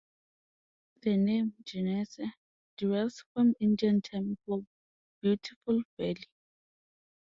The name Genesee derives from Indian term for "beautiful valley".